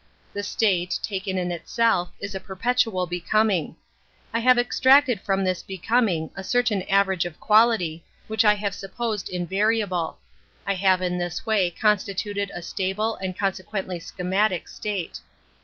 The state, taken in itself, is a periietual becoming. I have extracted from this be coming a certain average of quality, which I have supposed invariable; I have in this way constituted a stable and consequently schematic state.